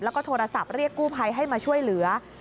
แล้วก็โทรศัพท์เรียกกู้ภัยให้มาช่วยเหลือ